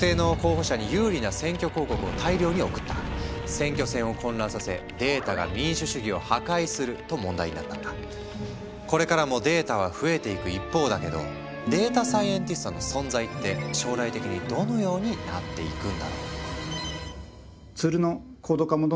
選挙戦を混乱させこれからもデータは増えていく一方だけどデータサイエンティストの存在って将来的にどのようになっていくんだろう？